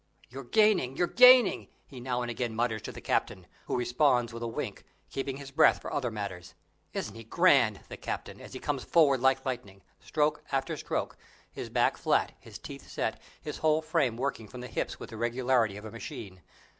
"You're gaining! you're gaining!" he now and then mutters to the captain, who responds with a wink, keeping his breath for other matters. Isn't he grand, the captain, as he comes forward like lightning, stroke after stroke, his back flat, his teeth set, his whole frame working from the hips with the regularity of a machine?